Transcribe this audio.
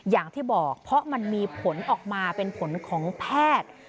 อย่างที่บอกเพราะมันมีผลออกมาเป็นผลของแพทย์